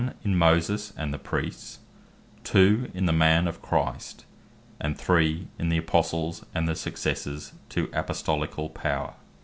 in Moses, and the Priests; 2. in the man Christ; and 3. in the Apostles and the successors to Apostolicall power.